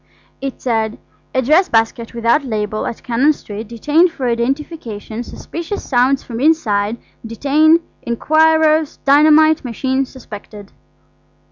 It said: "A dress basket without label at Cannon Street detained for identification suspicious sounds from inside detain inquirers dynamite machine suspected."